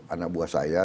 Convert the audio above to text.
anak buah saya